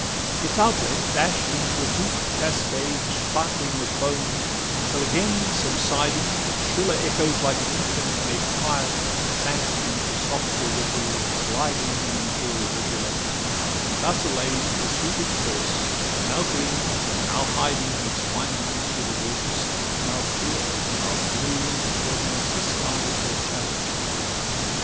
LVIII Its outlet dash'd into a deep cascade, Sparkling with foam, until again subsiding, Its shriller echoes like an infant made Quiet sank into softer ripples, gliding Into a rivulet; and thus allay'd, Pursued its course, now gleaming, and now hiding Its windings through the woods; now clear, now blue, According as the skies their shadows threw.